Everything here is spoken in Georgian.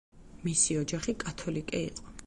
მისი ოჯახი კათოლიკე იყო.